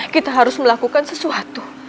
kita harus melakukan sesuatu